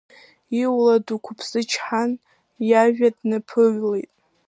Иула даақәыԥсычҳан, иажәа днаԥыҩлеит…